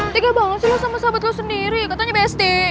tega banget sih lo sama sahabat lo sendiri katanya besti